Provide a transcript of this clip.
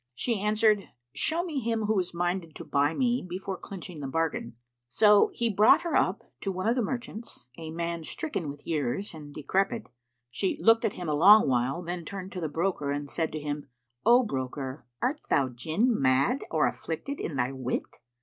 She answered, "Show me him who is minded to buy me before clinching the bargain." So he brought her up to one of the merchants a man stricken with years and decrepit; and she looked at him a long while, then turned to the broker and said to him, "O broker, art thou Jinn mad or afflicted in thy wit?"